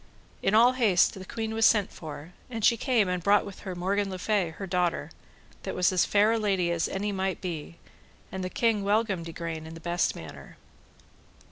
In all haste, the queen was sent for, and she came and brought with her Morgan le Fay, her daughter, that was as fair a lady as any might be, and the king welcomed Igraine in the best manner.